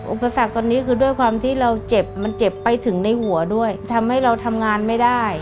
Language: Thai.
อุปสรรคตอนนี้คือด้วยความที่เราเจ็บมันเจ็บไปถึงในหัวด้วยทำให้เราทำงานไม่ได้